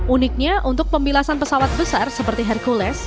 uniknya untuk pembilasan pesawat besar seperti hercules